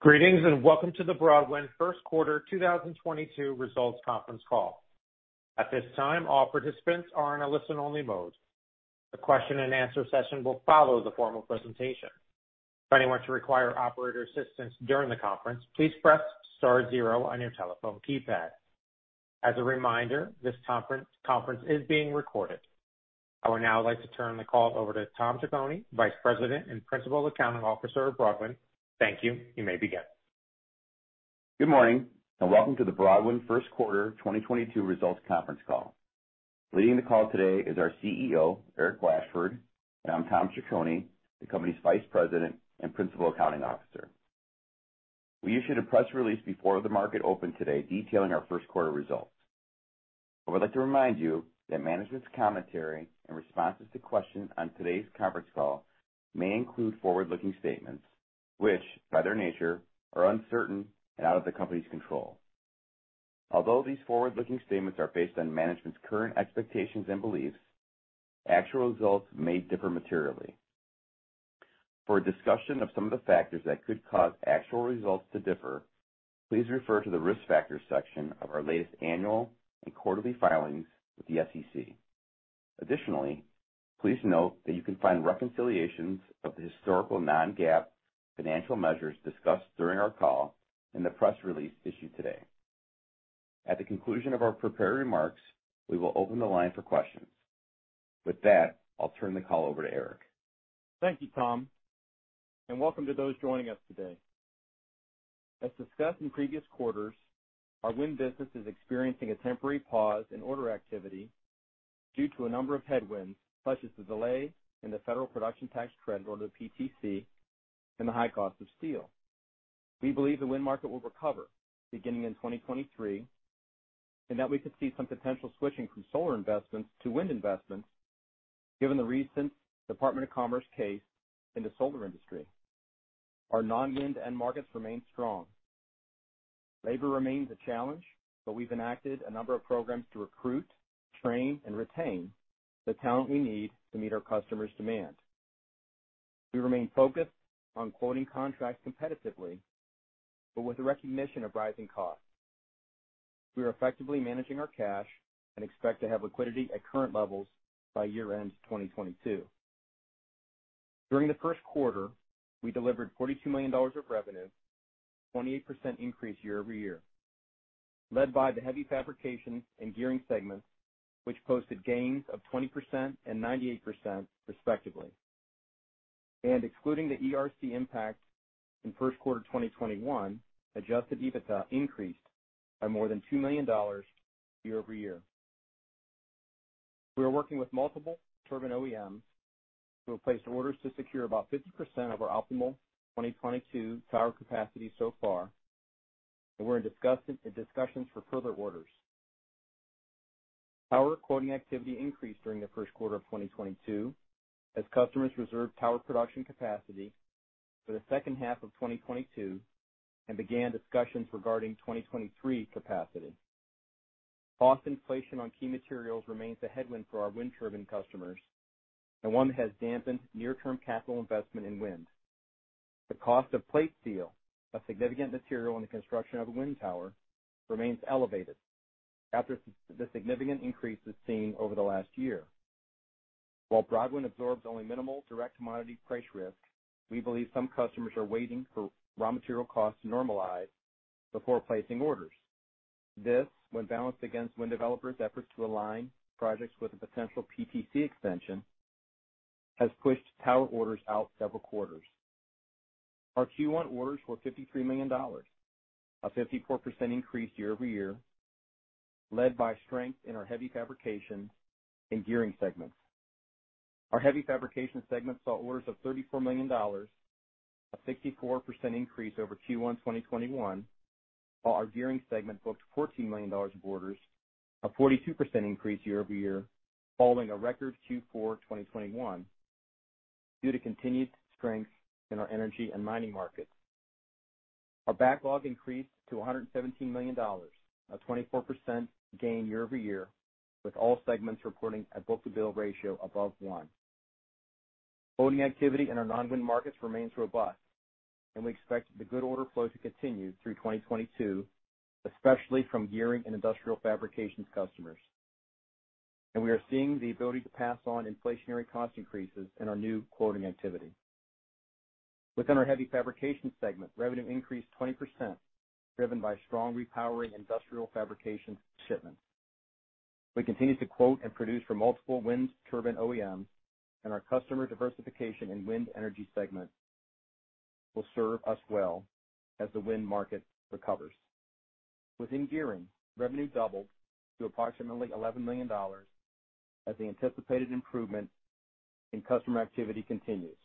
Greetings, and welcome to the Broadwind first quarter 2022 results conference call. At this time, all participants are in a listen-only mode. The question and answer session will follow the formal presentation. If anyone should require operator assistance during the conference, please press star zero on your telephone keypad. As a reminder, this conference is being recorded. I would now like to turn the call over to Tom Ciccone, Vice President and Principal Accounting Officer of Broadwind. Thank you. You may begin. Good morning, and welcome to the Broadwind first quarter 2022 results conference call. Leading the call today is our CEO, Eric Blashford, and I'm Tom Ciccone, the company's Vice President and Principal Accounting Officer. We issued a press release before the market opened today detailing our first quarter results. I would like to remind you that management's commentary and responses to questions on today's conference call may include forward-looking statements, which by their nature are uncertain and out of the company's control. Although these forward-looking statements are based on management's current expectations and beliefs, actual results may differ materially. For a discussion of some of the factors that could cause actual results to differ, please refer to the Risk Factors section of our latest annual and quarterly filings with the SEC. Additionally, please note that you can find reconciliations of the historical non-GAAP financial measures discussed during our call in the press release issued today. At the conclusion of our prepared remarks, we will open the line for questions. With that, I'll turn the call over to Eric. Thank you, Tom, and welcome to those joining us today. As discussed in previous quarters, our Wind business is experiencing a temporary pause in order activity due to a number of headwinds, such as the delay in the federal Production Tax Credit or the PTC, and the high cost of steel. We believe the wind market will recover beginning in 2023, and that we could see some potential switching from solar investments to Wind investments, given the recent Department of Commerce case in the solar industry. Our non-wind end markets remain strong. Labor remains a challenge, but we've enacted a number of programs to recruit, train, and retain the talent we need to meet our customers' demand. We remain focused on quoting contracts competitively, but with the recognition of rising costs. We are effectively managing our cash and expect to have liquidity at current levels by year-end 2022. During the first quarter, we delivered $42 million of revenue, a 28% increase year-over-year, led by the Heavy Fabrication and Gearing segments, which posted gains of 20% and 98% respectively. Excluding the ERC impact in first quarter 2021, Adjusted EBITDA increased by more than $2 million year-over-year. We are working with multiple turbine OEMs to place orders to secure about 50% of our optimal 2022 tower capacity so far, and we're in discussions for further orders. Tower quoting activity increased during the first quarter of 2022 as customers reserved tower production capacity for the second half of 2022 and began discussions regarding 2023 capacity. Cost inflation on key materials remains a headwind for our wind turbine customers, and one that has dampened near-term capital investment in wind. The cost of plate steel, a significant material in the construction of a wind tower, remains elevated after the significant increases seen over the last year. While Broadwind absorbs only minimal direct commodity price risk, we believe some customers are waiting for raw material costs to normalize before placing orders. This, when balanced against wind developers' efforts to align projects with a potential PTC extension, has pushed tower orders out several quarters. Our Q1 orders were $53 million, a 54% increase year-over-year, led by strength in our Heavy Fabrication and Gearing segments. Our Heavy Fabrication segment saw orders of $34 million, a 64% increase over Q1 2021, while our gearing segment booked $14 million of orders, a 42% increase year-over-year, following a record Q4 2021 due to continued strength in our energy and mining markets. Our backlog increased to $117 million, a 24% gain year-over-year, with all segments reporting a book-to-bill ratio above one. Quoting activity in our non-wind markets remains robust, and we expect the good order flow to continue through 2022, especially from Gearing and industrial fabrications customers. We are seeing the ability to pass on inflationary cost increases in our new quoting activity. Within our Heavy Fabrication segment, revenue increased 20%, driven by strong repowering industrial fabrication shipments. We continue to quote and produce for multiple wind turbine OEMs, and our customer diversification and wind energy segment will serve us well as the wind market recovers. Within Gearing, revenue doubled to approximately $11 million as the anticipated improvement in customer activity continues.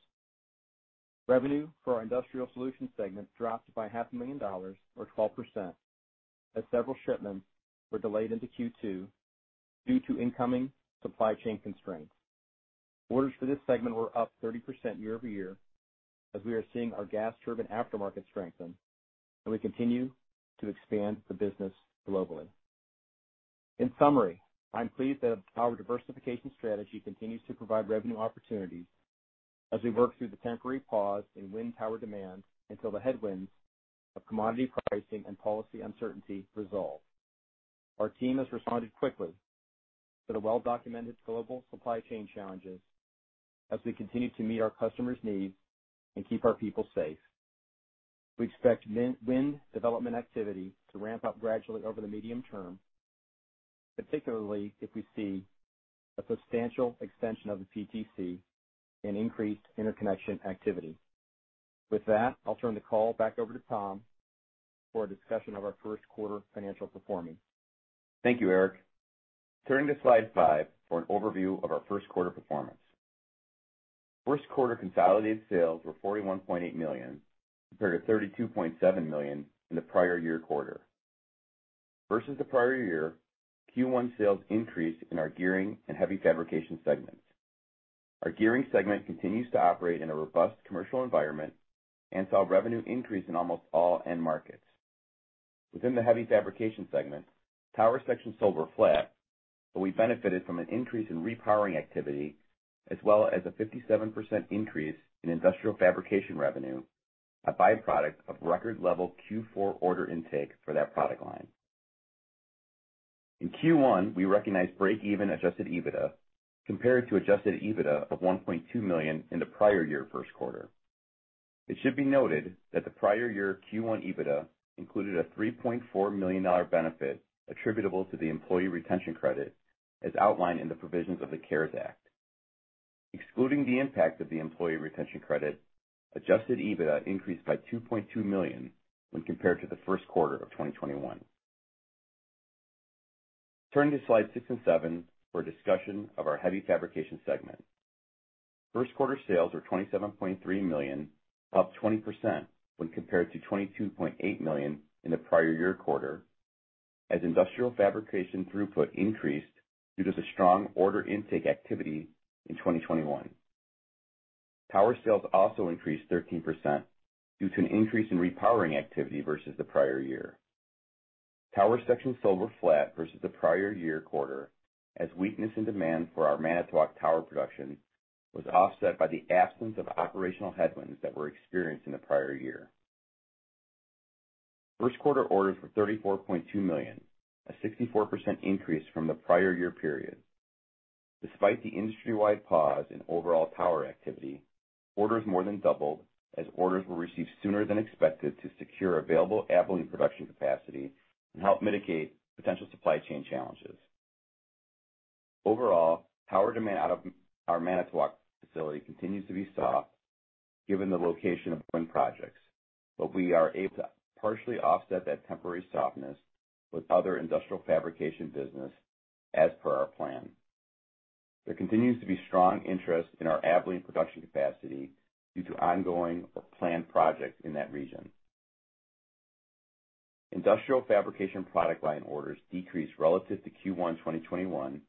Revenue for our Industrial Solutions segment dropped by half a million dollars or 12%, as several shipments were delayed into Q2 due to incoming supply chain constraints. Orders for this segment were up 30% year-over-year as we are seeing our gas turbine aftermarket strengthen, and we continue to expand the business globally. In summary, I'm pleased that our diversification strategy continues to provide revenue opportunities as we work through the temporary pause in wind tower demand until the headwinds of commodity pricing and policy uncertainty resolve. Our team has responded quickly to the well-documented global supply chain challenges as we continue to meet our customers' needs and keep our people safe. We expect wind development activity to ramp up gradually over the medium term, particularly if we see a substantial extension of the PTC and increased interconnection activity. With that, I'll turn the call back over to Tom for a discussion of our first quarter financial performance. Thank you, Eric. Turning to slide five for an overview of our first quarter performance. First quarter consolidated sales were $41.8 million compared to $32.7 million in the prior year quarter. Versus the prior year, Q1 sales increased in our Gearing and Heavy Fabrication segments. Our Gearing segment continues to operate in a robust commercial environment and saw revenue increase in almost all end markets. Within the Heavy Fabrication segment, tower sections sold were flat, but we benefited from an increase in repowering activity, as well as a 57% increase in industrial fabrication revenue, a by-product of record level Q4 order intake for that product line. In Q1, we recognized break-even Adjusted EBITDA compared to Adjusted EBITDA of $1.2 million in the prior year first quarter. It should be noted that the prior year Q1 EBITDA included a $3.4 million benefit attributable to the employee retention credit, as outlined in the provisions of the CARES Act. Excluding the impact of the employee retention credit, Adjusted EBITDA increased by $2.2 million when compared to the first quarter of 2021. Turning to Slides 6 and 7 for a discussion of our Heavy Fabrication segment. First quarter sales were $27.3 million, up 20% when compared to $22.8 million in the prior year quarter as industrial fabrication throughput increased due to the strong order intake activity in 2021. Tower sales also increased 13% due to an increase in repowering activity versus the prior year. Tower sections sold were flat versus the prior year quarter as weakness in demand for our Manitowoc tower production was offset by the absence of operational headwinds that were experienced in the prior year. First quarter orders were $34.2 million, a 64% increase from the prior year period. Despite the industry-wide pause in overall tower activity, orders more than doubled as orders were received sooner than expected to secure available Abilene production capacity and help mitigate potential supply chain challenges. Overall, tower demand out of our Manitowoc facility continues to be soft given the location of wind projects. We are able to partially offset that temporary softness with other industrial fabrication business as per our plan. There continues to be strong interest in our Abilene production capacity due to ongoing or planned projects in that region. Industrial fabrication product line orders decreased relative to Q1 2021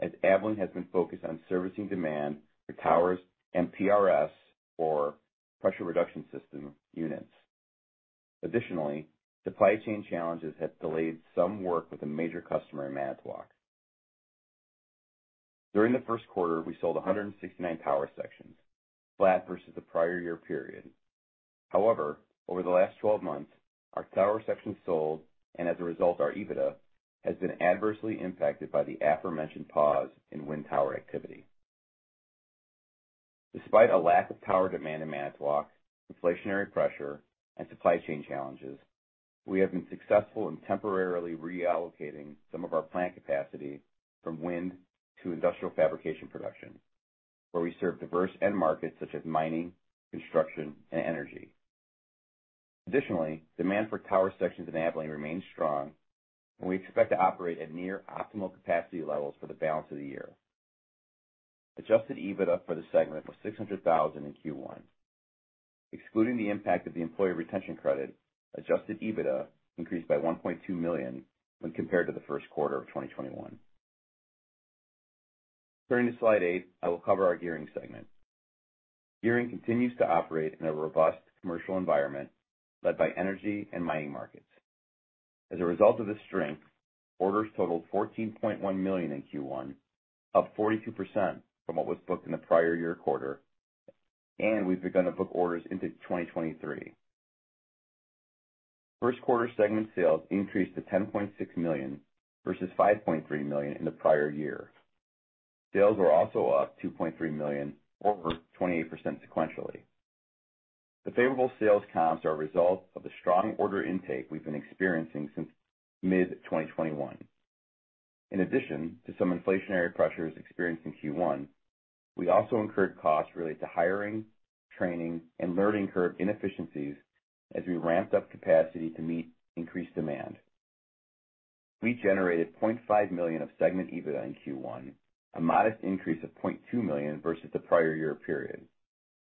as Abilene has been focused on servicing demand for towers and PRS or Pressure Reducing System units. Additionally, supply chain challenges have delayed some work with a major customer in Manitowoc. During the first quarter, we sold 169 tower sections, flat versus the prior year period. However, over the last 12 months, our tower sections sold, and as a result, our EBITDA has been adversely impacted by the aforementioned pause in wind tower activity. Despite a lack of tower demand in Manitowoc, inflationary pressure, and supply chain challenges, we have been successful in temporarily reallocating some of our plant capacity from wind to industrial fabrication production, where we serve diverse end markets such as mining, construction, and energy. Demand for tower sections in Abilene remains strong, and we expect to operate at near optimal capacity levels for the balance of the year. Adjusted EBITDA for the segment was $600,000 in Q1. Excluding the impact of the employee retention credit, Adjusted EBITDA increased by $1.2 million when compared to the first quarter of 2021. Turning to Slide 8, I will cover our Gearing segment. Gearing continues to operate in a robust commercial environment led by energy and mining markets. As a result of this strength, orders totaled $14.1 million in Q1, up 42% from what was booked in the prior year quarter, and we've begun to book orders into 2023. First quarter segment sales increased to $10.6 million versus $5.3 million in the prior year. Sales were also up $2.3 million or over 28% sequentially. The favorable sales comps are a result of the strong order intake we've been experiencing since mid-2021. In addition to some inflationary pressures experienced in Q1, we also incurred costs related to hiring, training, and learning curve inefficiencies as we ramped up capacity to meet increased demand. We generated $0.5 million of segment EBITDA in Q1, a modest increase of $0.2 million versus the prior year period.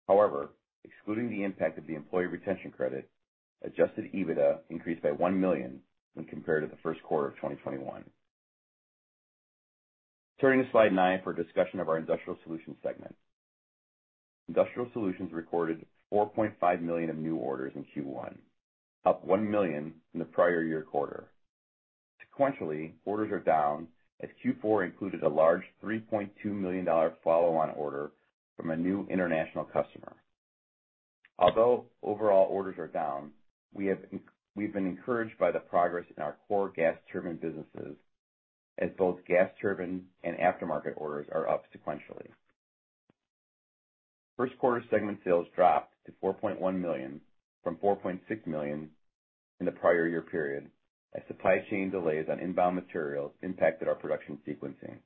However, excluding the impact of the employee retention credit, Adjusted EBITDA increased by $1 million when compared to the first quarter of 2021. Turning to Slide 9 for a discussion of our Industrial Solutions segment. Industrial Solutions recorded $4.5 million of new orders in Q1, up $1 million from the prior year quarter. Sequentially, orders are down as Q4 included a large $3.2 million follow-on order from a new international customer. Although overall orders are down, we've been encouraged by the progress in our core gas turbine businesses as both gas turbine and aftermarket orders are up sequentially. First quarter segment sales dropped to $4.1 million from $4.6 million in the prior year period as supply chain delays on inbound materials impacted our production sequencing.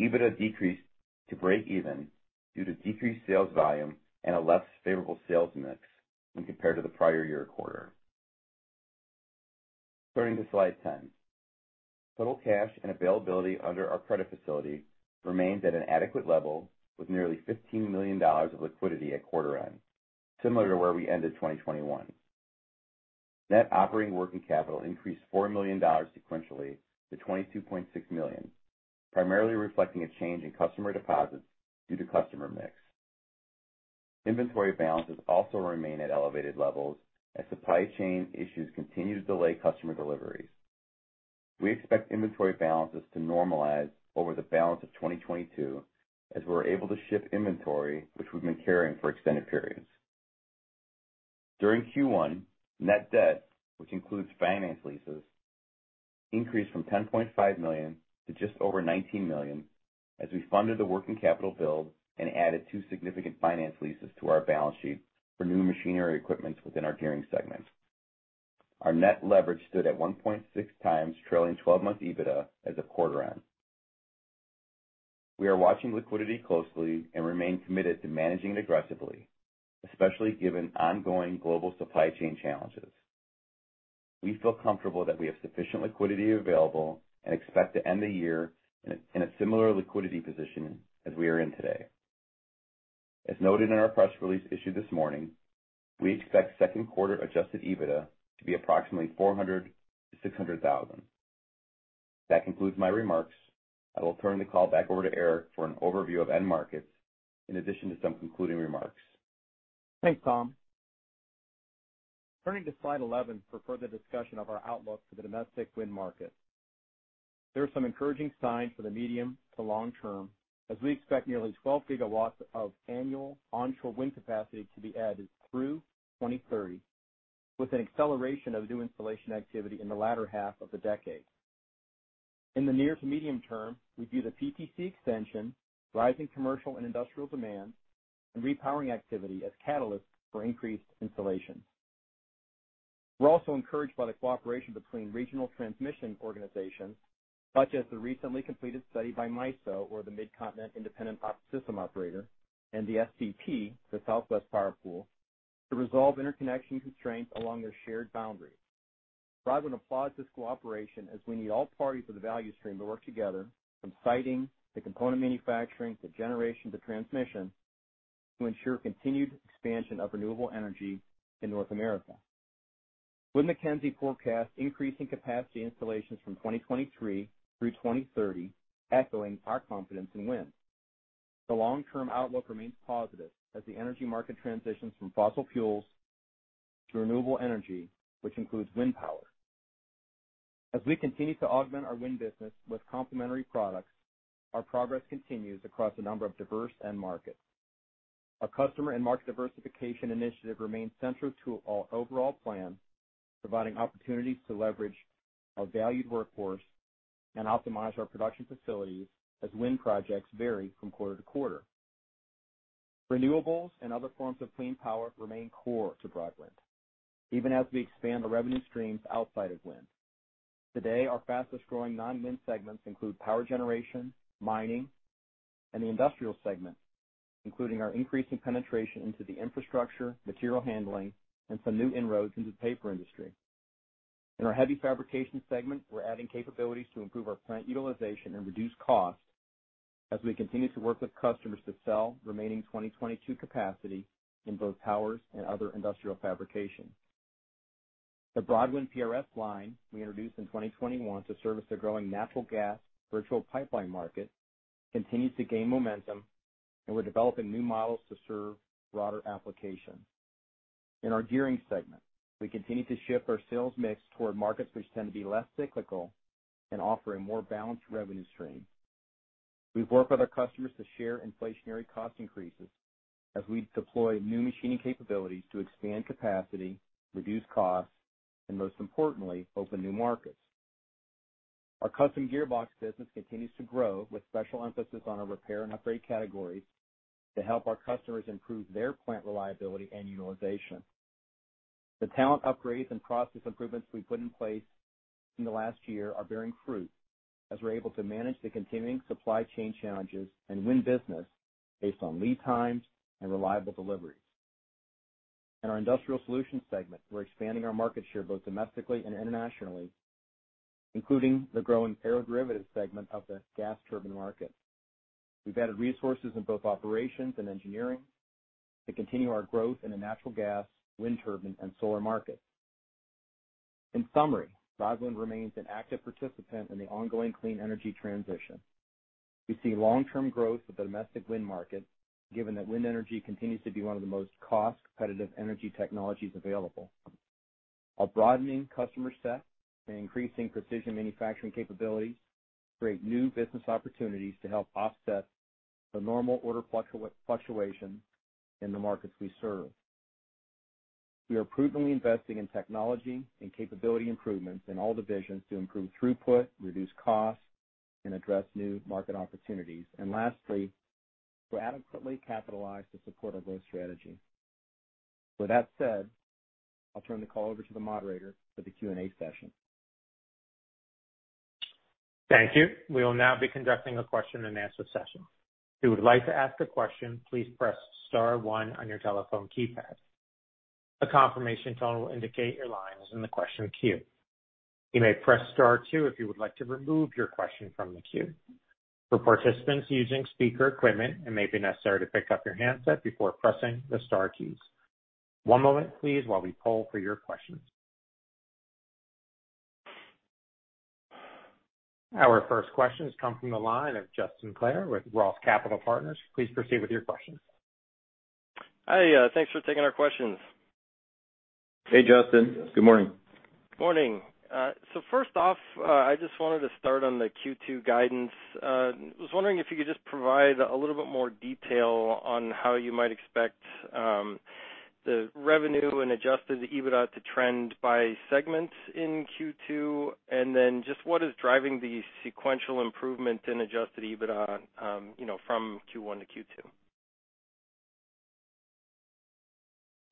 EBITDA decreased to breakeven due to decreased sales volume and a less favorable sales mix when compared to the prior year quarter. Turning to Slide 10. Total cash and availability under our credit facility remains at an adequate level with nearly $15 million of liquidity at quarter end, similar to where we ended 2021. Net operating working capital increased $4 million sequentially to $22.6 million, primarily reflecting a change in customer deposits due to customer mix. Inventory balances also remain at elevated levels as supply chain issues continue to delay customer deliveries. We expect inventory balances to normalize over the balance of 2022 as we're able to ship inventory, which we've been carrying for extended periods. During Q1, net debt, which includes finance leases, increased from $10.5 million to just over $19 million as we funded the working capital build and added two significant finance leases to our balance sheet for new machinery equipment within our Gearing segment. Our net leverage stood at 1.6x trailing 12-month EBITDA as of quarter end. We are watching liquidity closely and remain committed to managing it aggressively, especially given ongoing global supply chain challenges. We feel comfortable that we have sufficient liquidity available and expect to end the year in a similar liquidity position as we are in today. As noted in our press release issued this morning, we expect second quarter Adjusted EBITDA to be approximately $400,000-$600,000. That concludes my remarks. I will turn the call back over to Eric for an overview of end markets in addition to some concluding remarks. Thanks, Tom. Turning to Slide 11 for further discussion of our outlook for the domestic wind market. There are some encouraging signs for the medium to long term as we expect nearly 12 GW of annual onshore wind capacity to be added through 2030, with an acceleration of new installation activity in the latter half of the decade. In the near to medium term, we view the PTC extension, rising commercial and industrial demand, and repowering activity as catalysts for increased installation. We're also encouraged by the cooperation between regional transmission organizations, such as the recently completed study by MISO, the Midcontinent Independent System Operator, and the SPP, the Southwest Power Pool, to resolve interconnection constraints along their shared boundary. Broadwind applauds this cooperation as we need all parties of the value stream to work together, from siting to component manufacturing to generation to transmission, to ensure continued expansion of renewable energy in North America. Wood Mackenzie forecasts increasing capacity installations from 2023 through 2030, echoing our confidence in wind. The long-term outlook remains positive as the energy market transitions from fossil fuels to renewable energy, which includes wind power. As we continue to augment our wind business with complementary products, our progress continues across a number of diverse end markets. Our customer and market diversification initiative remains central to our overall plan, providing opportunities to leverage our valued workforce and optimize our production facilities as wind projects vary from quarter to quarter. Renewables and other forms of clean power remain core to Broadwind, even as we expand our revenue streams outside of wind. Today, our fastest-growing non-wind segments include power generation, mining, and the industrial segment, including our increasing penetration into the infrastructure, material handling, and some new inroads into the paper industry. In our Heavy Fabrication segment, we're adding capabilities to improve our plant utilization and reduce costs as we continue to work with customers to sell remaining 2022 capacity in both towers and other industrial fabrication. The Broadwind PRS line we introduced in 2021 to service the growing natural gas virtual pipeline market continues to gain momentum, and we're developing new models to serve broader applications. In our Gearing segment, we continue to shift our sales mix toward markets which tend to be less cyclical and offer a more balanced revenue stream. We've worked with our customers to share inflationary cost increases as we deploy new machining capabilities to expand capacity, reduce costs, and most importantly, open new markets. Our custom gearbox business continues to grow with special emphasis on our repair and upgrade categories to help our customers improve their plant reliability and utilization. The talent upgrades and process improvements we put in place in the last year are bearing fruit as we're able to manage the continuing supply chain challenges and win business based on lead times and reliable deliveries. In our Industrial Solutions segment, we're expanding our market share both domestically and internationally, including the growing aeroderivative segment of the gas turbine market. We've added resources in both operations and engineering to continue our growth in the natural gas, wind turbine, and solar market. In summary, Broadwind remains an active participant in the ongoing clean energy transition. We see long-term growth of the domestic wind market, given that wind energy continues to be one of the most cost-competitive energy technologies available. Our broadening customer set and increasing precision manufacturing capabilities create new business opportunities to help offset the normal order fluctuation in the markets we serve. We are prudently investing in technology and capability improvements in all divisions to improve throughput, reduce costs, and address new market opportunities. Lastly, we're adequately capitalized to support our growth strategy. With that said, I'll turn the call over to the moderator for the Q&A session. Thank you. We will now be conducting a question-and-answer session. If you would like to ask a question, please press star one on your telephone keypad. A confirmation tone will indicate your line is in the question queue. You may press star two if you would like to remove your question from the queue. For participants using speaker equipment, it may be necessary to pick up your handset before pressing the star keys. One moment, please, while we poll for your questions. Our first question has come from the line of Justin Clare with Roth Capital Partners. Please proceed with your question. Hi, thanks for taking our questions. Hey, Justin. Good morning. Morning. First off, I just wanted to start on the Q2 guidance. Was wondering if you could just provide a little bit more detail on how you might expect the revenue and Adjusted EBITDA to trend by segments in Q2? Just what is driving the sequential improvement in Adjusted EBITDA, you know, from Q1 to Q2?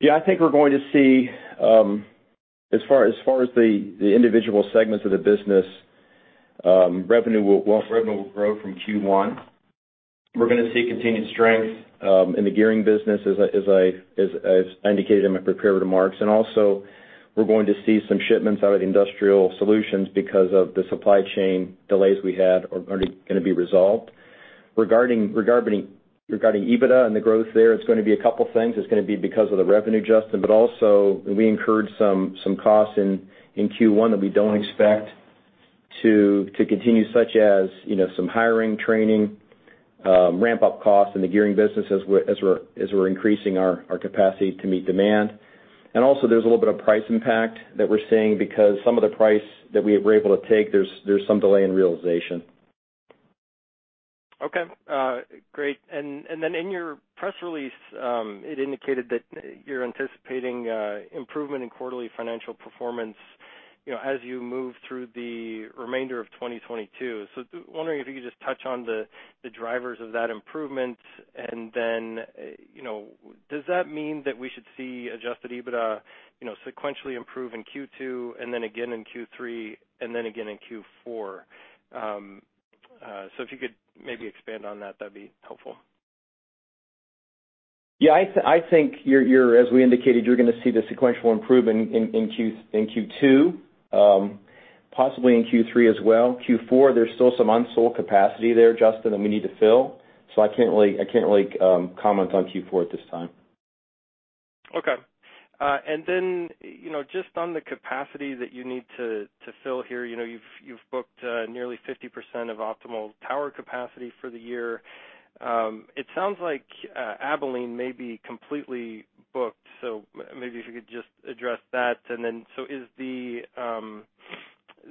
Yeah, I think we're going to see, as far as the individual segments of the business, revenue will grow from Q1. We're gonna see continued strength in the gearing business as I indicated in my prepared remarks. Also, we're going to see some shipments out of industrial solutions because of the supply chain delays we had are gonna be resolved. Regarding EBITDA and the growth there, it's gonna be a couple things. It's gonna be because of the revenue, Justin, but also we incurred some costs in Q1 that we don't expect to continue, such as, you know, some hiring, training, ramp-up costs in the gearing business as we're increasing our capacity to meet demand. Also, there's a little bit of price impact that we're seeing because some of the price that we were able to take, there's some delay in realization. Okay. Great. In your press release, it indicated that you're anticipating improvement in quarterly financial performance, you know, as you move through the remainder of 2022. Wondering if you could just touch on the drivers of that improvement. Does that mean that we should see Adjusted EBITDA, you know, sequentially improve in Q2 and then again in Q3 and then again in Q4? If you could maybe expand on that'd be helpful. Yeah, I think you're gonna see the sequential improvement in Q2, possibly in Q3 as well. Q4, there's still some unsold capacity there, Justin, that we need to fill, so I can't really comment on Q4 at this time. Okay. You know, just on the capacity that you need to fill here. You know, you've booked nearly 50% of optimal tower capacity for the year. It sounds like Abilene may be completely booked. Maybe if you could just address that. Is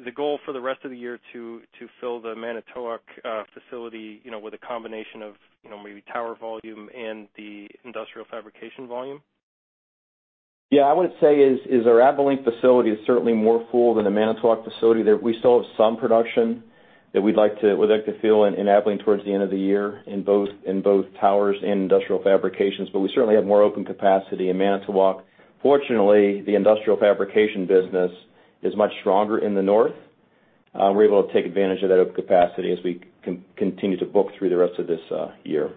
the goal for the rest of the year to fill the Manitowoc facility, you know, with a combination of, you know, maybe tower volume and the industrial fabrication volume? Yeah. I would say our Abilene facility is certainly more full than the Manitowoc facility. We still have some production that we'd like to fill in Abilene towards the end of the year in both towers and industrial fabrications. But we certainly have more open capacity in Manitowoc. Fortunately, the industrial fabrication business is much stronger in the north. We're able to take advantage of that open capacity as we continue to book through the rest of this year.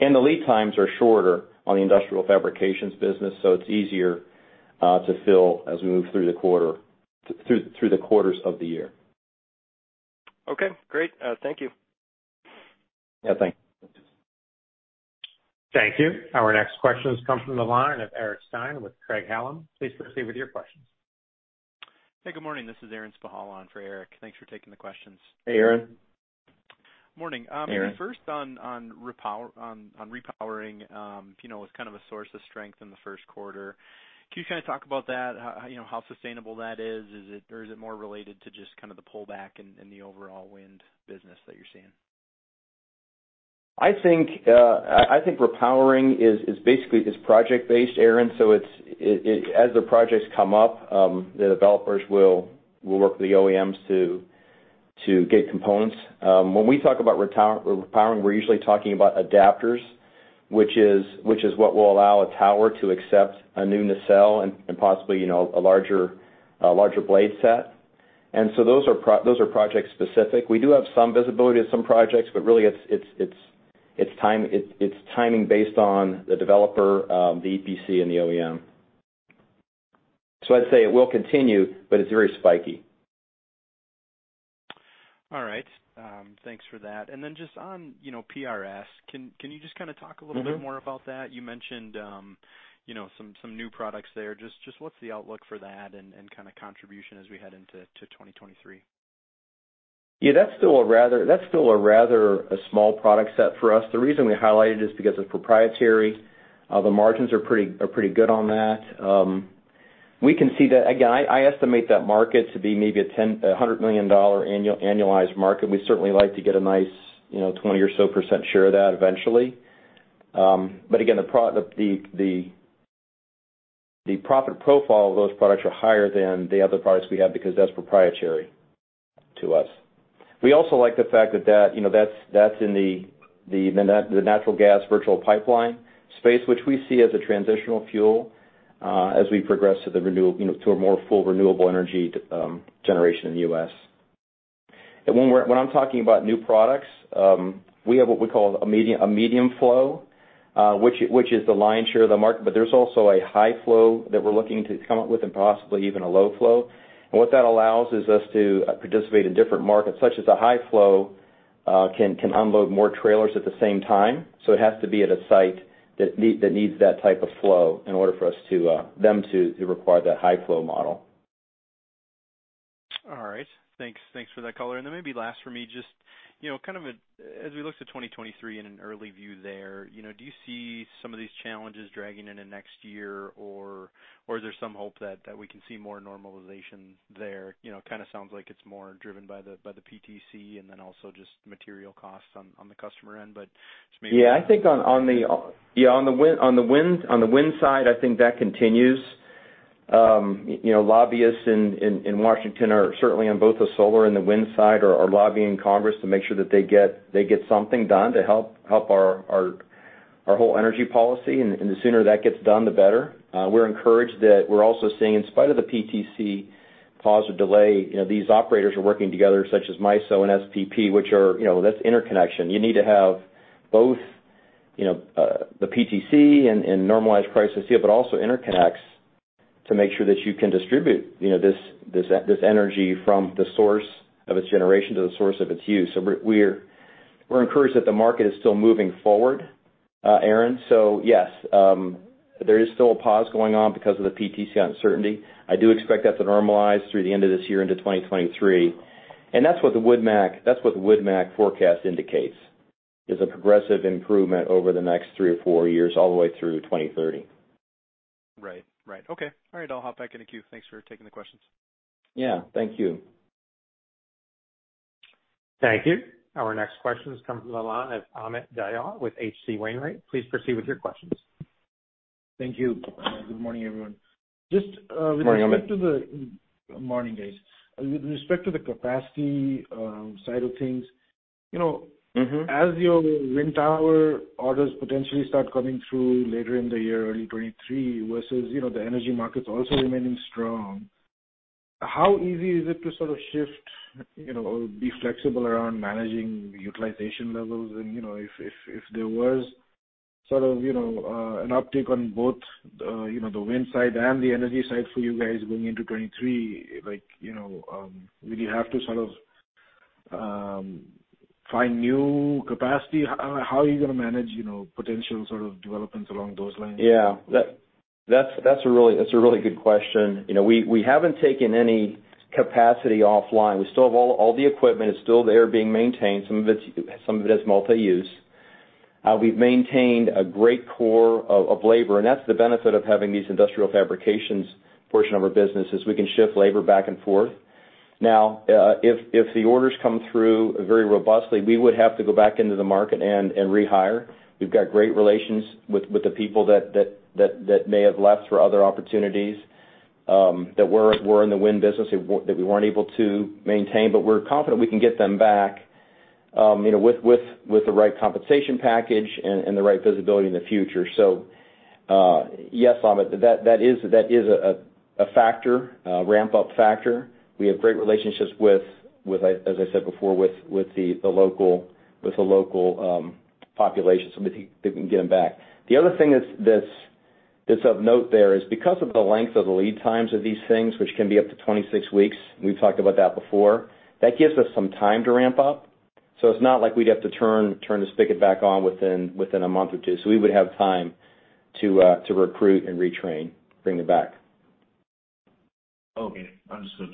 The lead times are shorter on the industrial fabrications business, so it's easier to fill as we move through the quarters of the year. Okay, great. Thank you. Yeah, thanks. Thank you. Our next question comes from the line of Eric Stine with Craig-Hallum. Please proceed with your questions. Hey, good morning. This is Aaron Spychalla on for Eric. Thanks for taking the questions. Hey, Aaron. Morning. Aaron. First on repowering, you know, as kind of a source of strength in the first quarter. Can you kind of talk about that, how, you know, how sustainable that is? Is it or is it more related to just kind of the pullback in the overall wind business that you're seeing? I think repowering is basically project-based, Aaron, so as the projects come up, the developers will work with the OEMs to get components. When we talk about repowering, we're usually talking about adapters, which is what will allow a tower to accept a new nacelle and possibly, you know, a larger blade set. Those are project specific. We do have some visibility of some projects, but really it's timing based on the developer, the EPC and the OEM. I'd say it will continue, but it's very spiky. All right. Thanks for that. Just on, you know, PRS, can you just kind of talk a little bit more about that? You mentioned, you know, some new products there. Just what's the outlook for that and kind of contribution as we head into 2023? Yeah. That's still a rather small product set for us. The reason we highlight it is because it's proprietary. The margins are pretty good on that. We can see that. Again, I estimate that market to be maybe a $100 million annualized market. We'd certainly like to get a nice, you know, 20% or so share of that eventually. But again, the profit profile of those products are higher than the other products we have because that's proprietary to us. We also like the fact that, you know, that's in the natural gas virtual pipeline space, which we see as a transitional fuel, as we progress to a more full renewable energy generation in the U.S. When I'm talking about new products, we have what we call a medium flow, which is the lion's share of the market, but there's also a high flow that we're looking to come up with and possibly even a low flow. What that allows is us to participate in different markets, such as a high flow can unload more trailers at the same time. It has to be at a site that needs that type of flow in order for them to require that high flow model. All right. Thanks for that color. Maybe last for me, just, you know, kind of as we look to 2023 in an early view there, you know, do you see some of these challenges dragging into next year, or is there some hope that we can see more normalization there? You know, kind of sounds like it's more driven by the PTC and then also just material costs on the customer end. Just maybe Yeah. I think on the wind side, I think that continues. You know, lobbyists in Washington are certainly on both the solar and the wind side are lobbying Congress to make sure that they get something done to help our whole energy policy. The sooner that gets done, the better. We're encouraged that we're also seeing, in spite of the PTC pause or delay, you know, these operators are working together, such as MISO and SPP, which are, you know, that's interconnection. You need to have both, you know, the PTC and normalized prices, yeah, but also interconnects to make sure that you can distribute, you know, this energy from the source of its generation to the source of its use. We're encouraged that the market is still moving forward, Aaron. Yes, there is still a pause going on because of the PTC uncertainty. I do expect that to normalize through the end of this year into 2023. That's what the Wood Mac forecast indicates, is a progressive improvement over the next three or four years, all the way through 2030. Right. Okay. All right. I'll hop back in the queue. Thanks for taking the questions. Yeah. Thank you. Thank you. Our next question comes from the line of Amit Dayal with H.C. Wainwright. Please proceed with your questions. Thank you. Good morning, everyone. Just, Morning, Amit. Morning, guys. With respect to the capacity, side of things, you know. Mm-hmm. As your wind tower orders potentially start coming through later in the year, early 2023 versus, you know, the energy markets also remaining strong, how easy is it to sort of shift, you know, or be flexible around managing utilization levels? You know, if there was sort of, you know, an uptick on both, you know, the wind side and the energy side for you guys going into 2023, like, you know, would you have to sort of find new capacity? How are you gonna manage, you know, potential sort of developments along those lines? Yeah. That's a really good question. You know, we haven't taken any capacity offline. We still have all the equipment is still there being maintained. Some of it is multi-use. We've maintained a great core of labor, and that's the benefit of having these industrial fabrications portion of our business, is we can shift labor back and forth. Now, if the orders come through very robustly, we would have to go back into the market and rehire. We've got great relations with the people that may have left for other opportunities, that were in the wind business that we weren't able to maintain. We're confident we can get them back, you know, with the right compensation package and the right visibility in the future. Yes, Amit, that is a factor, a ramp-up factor. We have great relationships with, as I said before, with the local population, so we think we can get them back. The other thing that's of note there is because of the length of the lead times of these things, which can be up to 26 weeks, we've talked about that before, that gives us some time to ramp up. It's not like we'd have to turn the spigot back on within a month or two. We would have time to recruit and retrain, bring them back. Okay. Understood.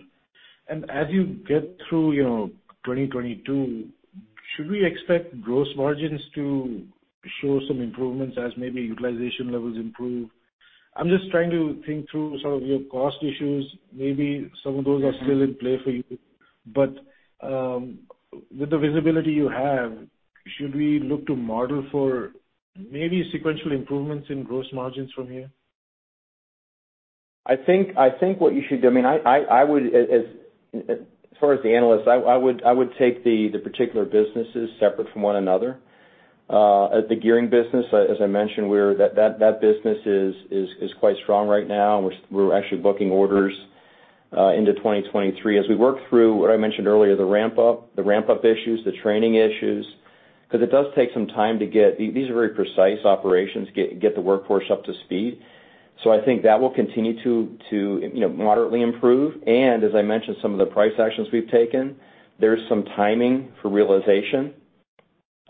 As you get through, you know, 2022, should we expect gross margins to show some improvements as maybe utilization levels improve? I'm just trying to think through some of your cost issues. Maybe some of those are still in play for you. With the visibility you have, should we look to model for maybe sequential improvements in gross margins from here? I think, I mean, as far as the analysts, I would take the particular businesses separate from one another. The gearing business, as I mentioned, that business is quite strong right now. We're actually booking orders into 2023. As we work through what I mentioned earlier, the ramp up issues, the training issues, because it does take some time to get the workforce up to speed. These are very precise operations. I think that will continue to, you know, moderately improve. As I mentioned, some of the price actions we've taken, there's some timing for realization.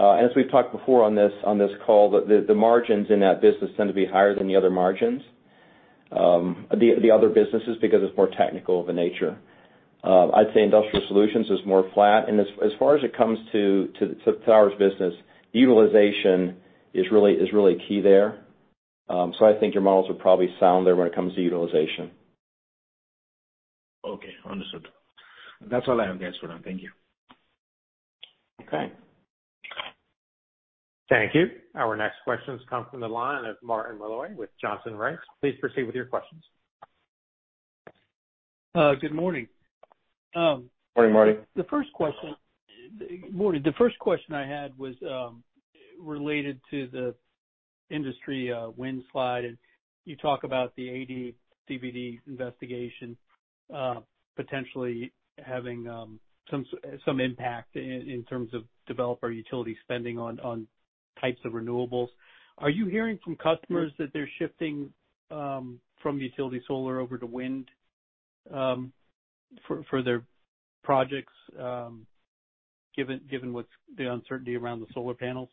As we've talked before on this call, the margins in that business tend to be higher than the margins in the other businesses, because it's more technical of a nature. I'd say Industrial Solutions is more flat. When it comes to the towers business, utilization is really key there. I think your models are probably sound there when it comes to utilization. Okay. Understood. That's all I have, guys. Thank you. Okay. Thank you. Our next question comes from the line of Martin Malloy with Johnson Rice. Please proceed with your questions. Good morning. Morning, Martin. Morning. The first question I had was related to the industry, wind slide, and you talk about the AD/CVD investigation potentially having some impact in terms of developer utility spending on types of renewables. Are you hearing from customers that they're shifting from utility solar over to wind for their projects given the uncertainty around the solar panels?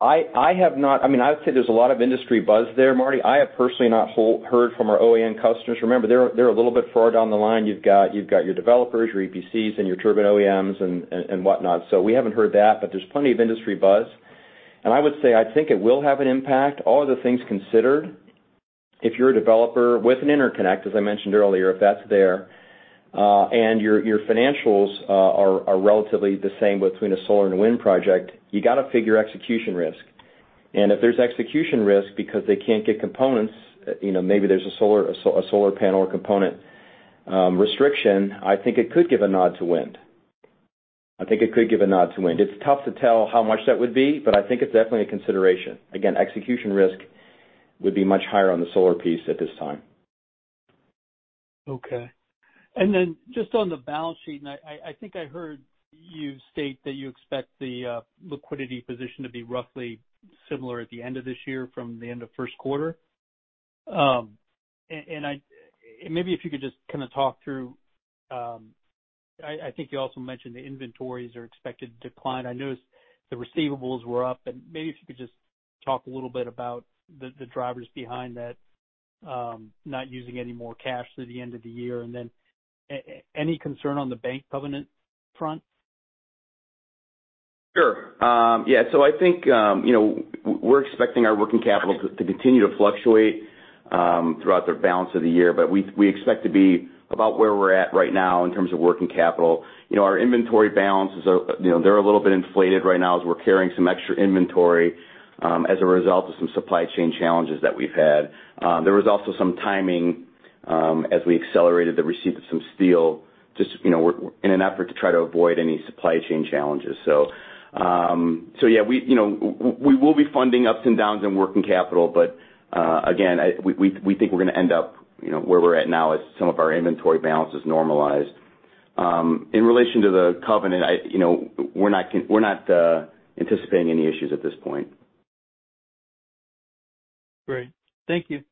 I have not. I mean, I would say there's a lot of industry buzz there, Marty. I have personally not heard from our OEM customers. Remember, they're a little bit further down the line. You've got your developers, your EPCs, and your turbine OEMs and whatnot. So we haven't heard that, but there's plenty of industry buzz. I would say, I think it will have an impact. All other things considered, if you're a developer with an interconnect, as I mentioned earlier, if that's there, and your financials are relatively the same between a solar and wind project, you gotta figure execution risk. If there's execution risk because they can't get components, you know, maybe there's a solar panel or component restriction, I think it could give a nod to wind. I think it could give a nod to wind. It's tough to tell how much that would be, but I think it's definitely a consideration. Again, execution risk would be much higher on the solar piece at this time. Okay. Just on the balance sheet, I think I heard you state that you expect the liquidity position to be roughly similar at the end of this year to the end of first quarter. I think you also mentioned the inventories are expected to decline. I noticed the receivables were up, and maybe if you could just talk a little bit about the drivers behind that, not using any more cash through the end of the year. Then any concern on the bank covenant front? Sure. Yeah. I think, you know, we're expecting our working capital to continue to fluctuate throughout the balance of the year, but we expect to be about where we're at right now in terms of working capital. You know, our inventory balances are, you know, they're a little bit inflated right now as we're carrying some extra inventory as a result of some supply chain challenges that we've had. There was also some timing as we accelerated the receipt of some steel, just, you know, in an effort to try to avoid any supply chain challenges. Yeah, we, you know, we will be funding ups and downs in working capital, but, again, we think we're gonna end up, you know, where we're at now as some of our inventory balance is normalized. In relation to the covenant, I, you know, we're not anticipating any issues at this point. Great. Thank you.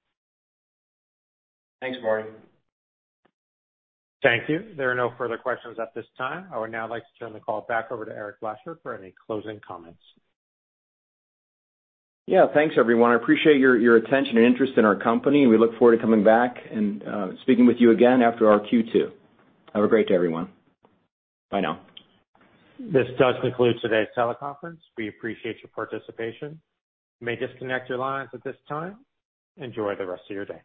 Thanks, Marty. Thank you. There are no further questions at this time. I would now like to turn the call back over to Eric Blashford for any closing comments. Yeah. Thanks, everyone. I appreciate your attention and interest in our company, and we look forward to coming back and speaking with you again after our Q2. Have a great day, everyone. Bye now. This does conclude today's teleconference. We appreciate your participation. You may disconnect your lines at this time. Enjoy the rest of your day.